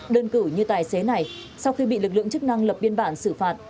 đơn cử như tài xế này sau khi bị lực lượng chức năng lập biên bản xử phạt